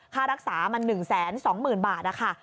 ค่ารักษามัน๑๒๐๐๐บาทนะคะ